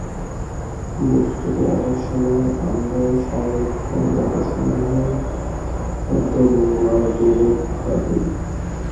বস্তুত অনেক সময়েই আমরা সমলক্ষণ ব্যাপারসমূহের মধ্যে মনগড়া প্রভেদ খাড়া করি।